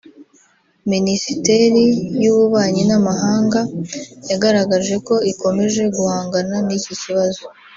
Minisiteri y’Ububanyi n’Amahanga yagaragaje ko ikomeje guhangana n’iki kibazo